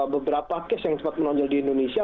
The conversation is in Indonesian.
beberapa case yang sempat menonjol di indonesia